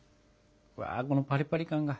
うわこのパリパリ感が。